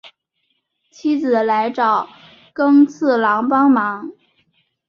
妻子来找寅次郎帮忙。